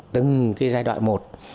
từng cái giai đoạn một